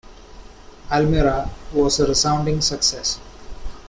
"Almira" was a resounding success.